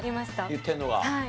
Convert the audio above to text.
言ってるのが。